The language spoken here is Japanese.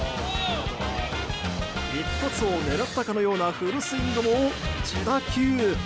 一発を狙ったかのようなフルスイングも、自打球！